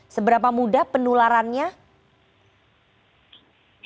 seberapa mudah penularannya